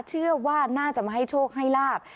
เชื่อว่าน่าจะมาให้โชคให้ลาบ